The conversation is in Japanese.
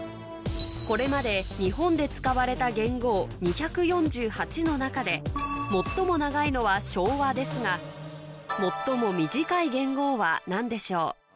これまで日本で使われた元号２４８の中でですが最も短い元号は何でしょう？